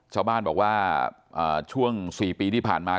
ชาวบ้านบอกว่าช่วง๔ปีที่ผ่านมา